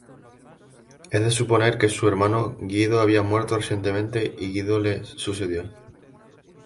Es de suponer que su hermano Guido había muerto recientemente y Guido le sucedió.